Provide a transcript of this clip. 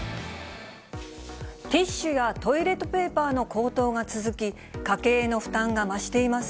ティッシュやトイレットペーパーの高騰が続き、家計への負担が増しています。